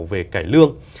về cải lương